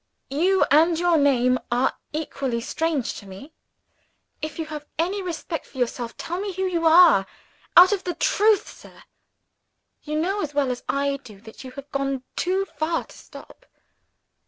You, and your name, are equally strange to me. If you have any respect for yourself, tell me who you are. Out with the truth, sir! You know as well as I do that you have gone too far to stop."